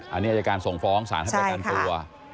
อันนี้อายการส่งฟ้องศาลทักษะการตัว